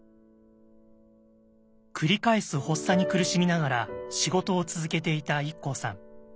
繰り返す発作に苦しみながら仕事を続けていたＩＫＫＯさん。